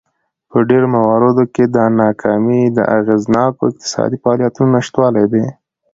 په ډېرو مواردو کې دا ناکامي د اغېزناکو اقتصادي فعالیتونو نشتوالی دی.